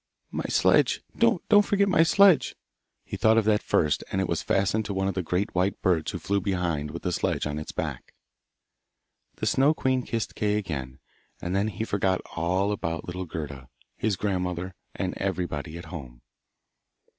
'My sledge! Don't forget my sledge!' He thought of that first, and it was fastened to one of the great white birds who flew behind with the sledge on its back. The Snow queen kissed Kay again, and then he forgot all about little Gerda, his grandmother, and everybody at home.